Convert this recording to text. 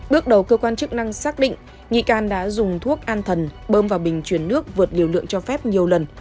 bước đầu cơ quan chức năng xác định nghi can đã dùng thuốc an thần bơm vào bình chuyển nước vượt liều lượng cho phép nhiều lần